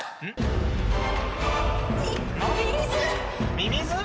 ミミズ？